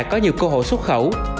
có nhiều cơ hội xuất khẩu